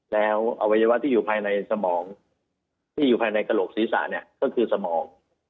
แล้วอวัยวะที่อยู่ภายในสมองที่อยู่ภายในกระโหลกศีรษะเนี่ยก็คือสมอง